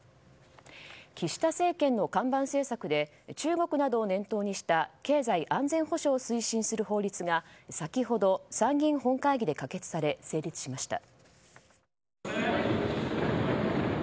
岸田政権の看板政策で中国などを念頭にした経済安全保障を推進する法律が先ほど、参議院本会議で可決され成立しました。